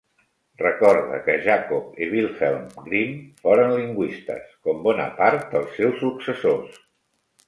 Recorde que Jacob i Wilhelm Grimm foren lingüistes, com bona part dels seus successors.